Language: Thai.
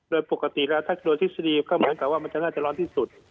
โดยปกติแล้วถ้าโดยทฤษฎีก็เหมือนกับว่ามันจะน่าจะร้อนที่สุด